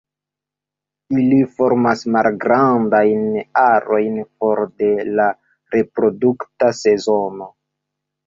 Ili formas malgrandajn arojn for de la reprodukta sezono.